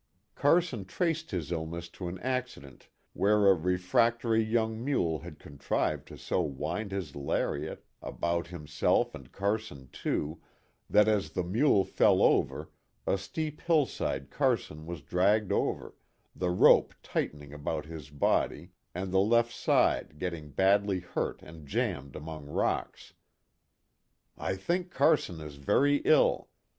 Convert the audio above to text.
Carson traced his illness to an accident where a refractory young mule had contrived to so wind his lariat about himself and Carson too that as the mule fell over a steep hill side Carson was dragged over the rope tightening about his body and the left side getting badly hurt 44 KIT CARSON, and jammed among rocks. " I think Carson is very ill.